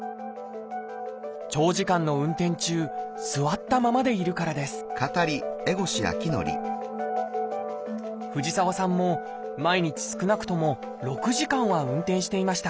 長時間の運転中座ったままでいるからです藤沢さんも毎日少なくとも６時間は運転していました